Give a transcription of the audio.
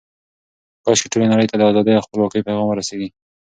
کاشکې ټولې نړۍ ته د ازادۍ او خپلواکۍ پیغام ورسیږي.